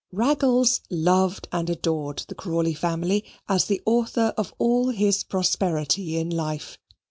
Raggles loved and adored the Crawley family as the author of all his prosperity in life.